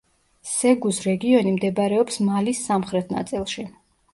სეგუს რეგიონი მდებარეობს მალის სამხრეთ ნაწილში.